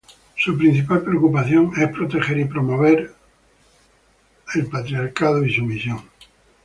Su principal preocupación es proteger y promover al Santo Patriarcado y su misión.